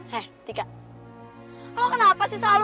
heh tika lo kenapa sih salah satu